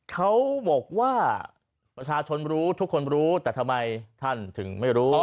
เขาบอกว่าประชาชนรู้ทุกคนรู้แต่ทำไมท่านถึงไม่รู้